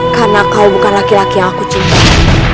karena kau bukan laki laki yang aku cintai